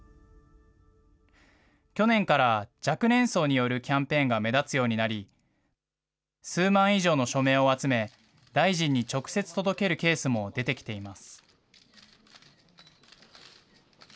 去年から若年層によるキャンペーンが目立つようになり、数万以上の署名を集め、大臣に直接届けるケースも出てきています。